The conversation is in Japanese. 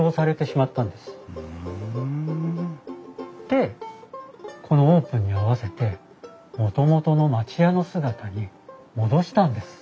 でこのオープンに合わせてもともとの町家の姿に戻したんです。